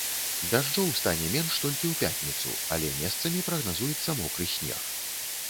Дажджоў стане менш толькі ў пятніцу, але месцамі прагназуецца мокры снег.